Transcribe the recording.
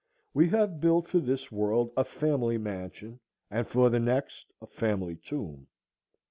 We have built for this world a family mansion, and for the next a family tomb.